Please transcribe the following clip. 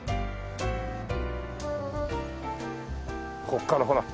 ここからほら。